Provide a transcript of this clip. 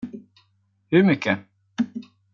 Hur mycket?